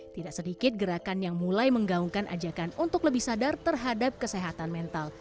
tidak sedikit gerakan yang mulai menggaungkan ajakan untuk lebih sadar terhadap kesehatan mental